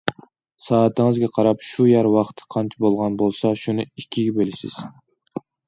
سائىتىڭىزگە قاراپ، شۇ يەر ۋاقتى قانچە بولغان بولسا، شۇنى ئىككىگە بۆلىسىز.